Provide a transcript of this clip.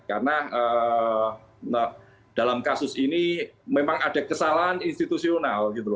karena dalam kasus ini memang ada kesalahan institusional